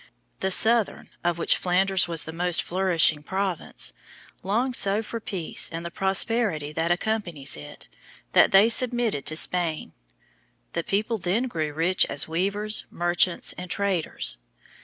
The southern, of which Flanders was the most flourishing province, longed so for peace and the prosperity that accompanies it, that they submitted to Spain. The people then grew rich as weavers, merchants and traders.